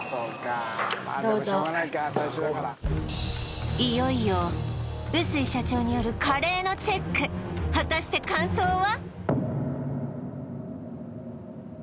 どうぞいよいよ臼井社長によるカレーのチェック果たして感想は？